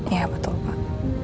iya betul pak